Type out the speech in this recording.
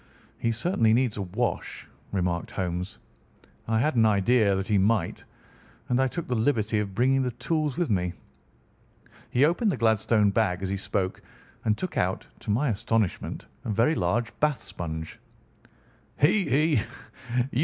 "He certainly needs a wash," remarked Holmes. "I had an idea that he might, and I took the liberty of bringing the tools with me." He opened the Gladstone bag as he spoke, and took out, to my astonishment, a very large bath sponge. "He! he!